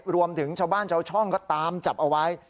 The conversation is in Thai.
รวมถึงชาวบ้านชาวช่องก็ตามจับเอาไว้